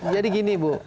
jadi begini bu